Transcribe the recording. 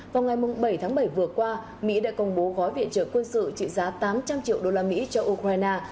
vào ngày bảy tháng bảy vừa qua mỹ đã công bố gói viện trợ quân sự trị giá tám trăm linh triệu đô la mỹ cho ukraine